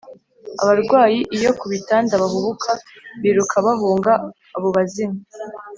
abarwayi iyo ku bitanda bahubuka biruka bahunga abo bazimu